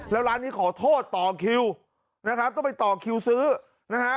แล้วร้านนี้ขอโทษต่อคิวนะครับต้องไปต่อคิวซื้อนะฮะ